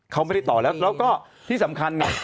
เขาไม่ได้ต่อแล้วแล้วก็ที่สำคัญเนี่ย